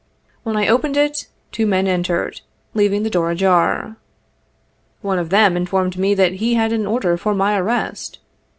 When I opened it, two men entered, leaving the door ajar. One of them informed me that he had an order for my arrest.